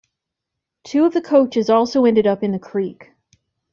Two of the coaches also ended up in the creek.